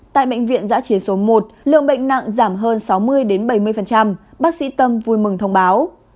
tại bệnh viện giã chiến số một lượng bệnh nặng giảm hơn sáu mươi bảy mươi bác sĩ tâm vui mừng thông báo